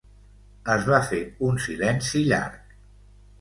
Es va fer un silenci llarg.